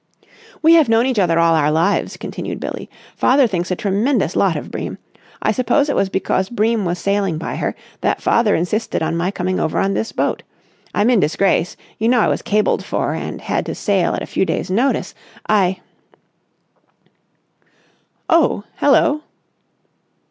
"We have known each other all our lives," continued Billie. "Father thinks a tremendous lot of Bream. I suppose it was because Bream was sailing by her that father insisted on my coming over on this boat. I'm in disgrace, you know. I was cabled for and had to sail at a few days' notice. I...." "Oh, hello!"